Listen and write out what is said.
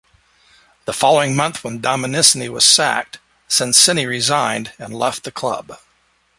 The following month when Dominissini was sacked, Sensini resigned and left the club.